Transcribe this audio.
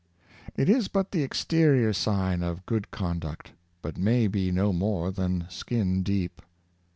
It is but the exte rior sign of good conduct, but may be no more than skin deep.